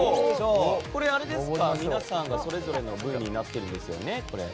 これ、皆さんがそれぞれの部位になってるんですよね。